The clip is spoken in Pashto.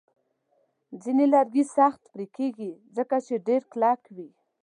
ځینې لرګي سخت پرې کېږي، ځکه چې ډیر کلک وي.